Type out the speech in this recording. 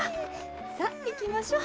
さあいきましょう。